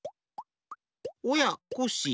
おやコッシー